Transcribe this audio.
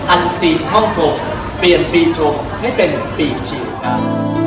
อันสีห้องกลมเปลี่ยนปีชมให้เป็นปีฉีดนะครับ